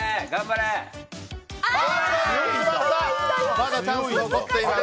まだチャンス残っています。